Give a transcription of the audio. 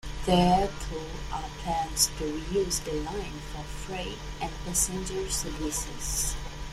There though are plans to reuse the line for freight and passenger services.